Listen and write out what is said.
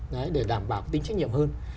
đấy để đảm bảo tính trách nhiệm hơn